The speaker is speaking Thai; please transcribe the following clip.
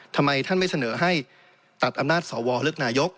ทำไมท่านไม่เสนอให้ตัดอำนาจสวเลือกนายก